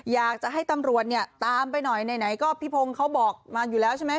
อยากจะให้ตำรวจเนี่ยตามไปหน่อยไหนก็พี่พงศ์เขาบอกมาอยู่แล้วใช่ไหม